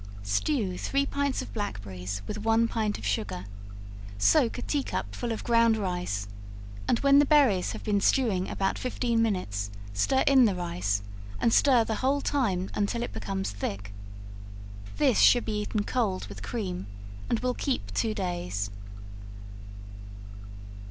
Stew three pints of blackberries with one pint of sugar soak a tea cup full of ground rice and when the berries have been stewing about fifteen minutes, stir in the rice, and stir the whole time until it becomes thick. This should be eaten cold with cream, and will keep two days.